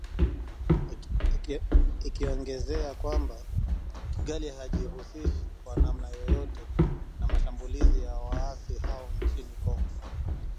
ikiongezea kwamba “Kigali haijihusishi kwa namna yoyote na mashambulizi ya waasi hao nchini Kongo"